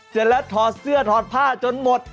เสร็จแล้วถอดเสื้อถอดผ้าจนหมด